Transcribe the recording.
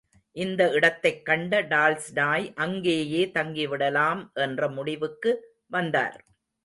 இந்த இடத்தைக் கண்ட டால்ஸ்டாய் அங்கேயே தங்கி விடலாம் என்ற முடிவுக்கு வந்தார்.